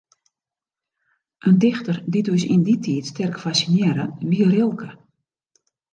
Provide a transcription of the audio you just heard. In dichter dy't ús yn dy tiid sterk fassinearre, wie Rilke.